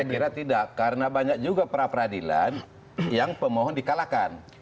saya kira tidak karena banyak juga pra peradilan yang pemohon dikalahkan